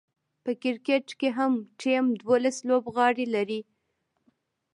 په کرکټ کښي هر ټيم دوولس لوبغاړي لري.